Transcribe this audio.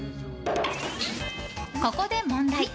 ここで問題。